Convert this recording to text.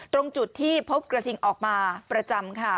ตรงจุดที่พบกระทิงออกมาประจำค่ะ